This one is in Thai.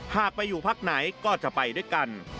หากไปอยู่พักไหนก็จะไปด้วยกัน